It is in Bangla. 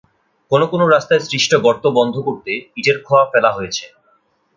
কোনো কোনো রাস্তায় সৃষ্ট গর্ত বন্ধ করতে ইটের খোয়া ফেলা হয়েছে।